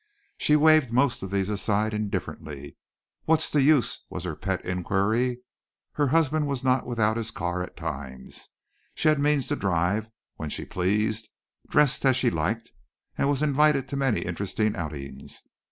She waved most of this aside indifferently. "What's the use?" was her pet inquiry. Her husband was not without his car at times. She had means to drive when she pleased, dress as she liked, and was invited to many interesting outings.